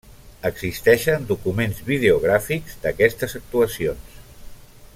Existeixen documents videogràfics d'aquestes actuacions.